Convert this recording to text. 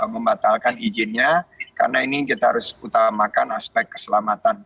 dan memperkenalkan izinnya karena ini kita harus utamakan aspek keselamatan